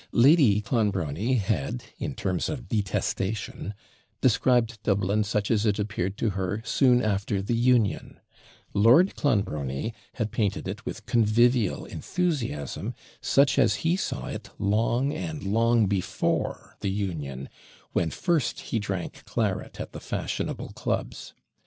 Lady Clonbrony had, in terms of detestation, described Dublin such as it appeared to her soon after the Union; Lord Clonbrony had painted it with convivial enthusiasm, such as he saw it long and long before the Union, when FIRST he drank claret at the fashionable clubs.